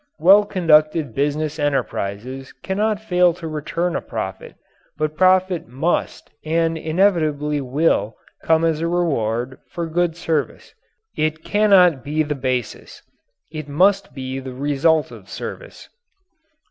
Well conducted business enterprises cannot fail to return a profit but profit must and inevitably will come as a reward for good service. It cannot be the basis it must be the result of service.